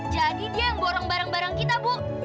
jadi dia yang borong barang barang kita bu